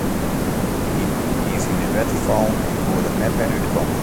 Hy is yn it wetter fallen en koe der net mear út komme.